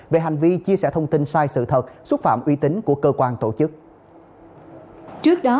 về hành vi chia sẻ thông tin sai sự thật xúc phạm uy tín của cơ quan tổ chức